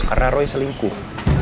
karena roy selingkuh